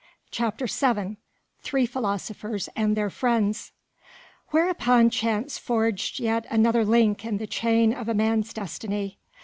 CHAPTER VII THREE PHILOSOPHERS AND THEIR FRIENDS Whereupon Chance forged yet another link in the chain of a man's destiny.